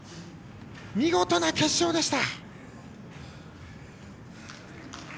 見事な決勝でした。